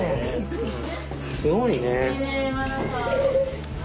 すごいね。